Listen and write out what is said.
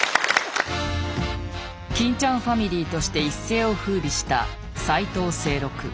欽ちゃんファミリーとして一世をふうびした斉藤清六。